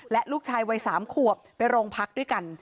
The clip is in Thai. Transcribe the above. และลูกชายวัย๓ขวบไปโรงพักด้วยกัน